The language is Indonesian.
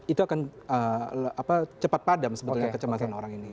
itu akan cepat padam sebetulnya kecemasan orang ini